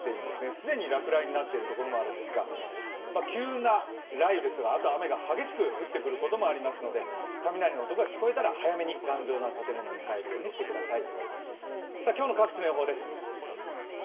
既に落雷になっている所もあるんですが、急な雷雨、あと雨が激しく降ってくることもありますので、雷の音が聞こえたら早めに頑丈な建物に入るようにしてください。